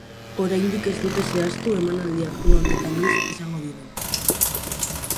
Oraindik ez dute zehaztu emanaldiak non eta noiz izango diren.